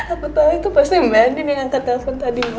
apa tau itu pasti mandy yang angkat telepon tadi ma